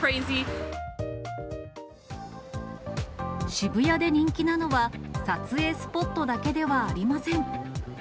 渋谷で人気なのは、撮影スポットだけではありません。